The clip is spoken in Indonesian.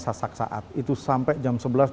saksak saat itu sampai jam sebelas dua belas